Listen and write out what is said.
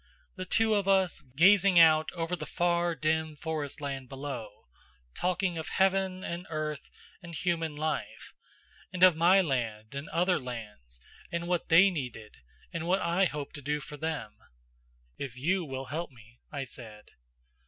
The two of us, gazing out over the far dim forestland below, talking of heaven and earth and human life, and of my land and other lands and what they needed and what I hoped to do for them "If you will help me," I said.